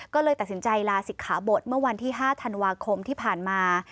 ก็เลยตัดสินใจลาศิกขาบทเมื่อวันที่๕ธันวาคมที่ผ่านมา